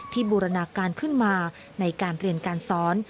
บูรณาการขึ้นมาในการเรียนการสอน